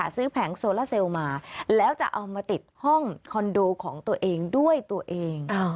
แผงโซลาเซลล์มาแล้วจะเอามาติดห้องคอนโดของตัวเองด้วยตัวเอง